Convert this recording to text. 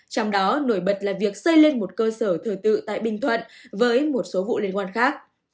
trong đó nổi bật là việc xây lên một cơ sở thờ tự tại bình thuận với một số vụ liên quan khác